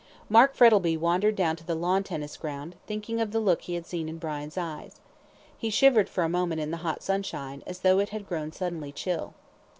Mark Frettlby wandered down to the lawn tennis ground, thinking of the look he had seen in Brian's eyes. He shivered for a moment in the hot sunshine, as though it had grown suddenly chill.